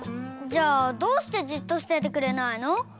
じゃあどうしてじっとしててくれないの？